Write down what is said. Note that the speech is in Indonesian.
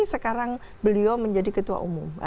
sekarang beliau menjadi kandung